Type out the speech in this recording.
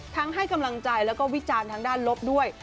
ให้กำลังใจแล้วก็วิจารณ์ทางด้านลบด้วย